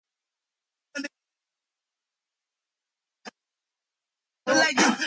The root system is adventitious and the root type is fasciculated.